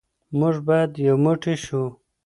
موږ باید یو موټی شو.